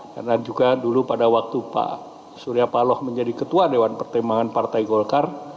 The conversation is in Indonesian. karena juga dulu pada waktu pak suryapalo menjadi ketua dewan pertemuan partai golkar